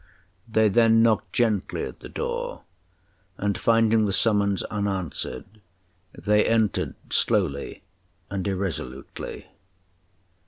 They then knocked gently at the door, and finding the summons unanswered, they entered slowly and irresolutely.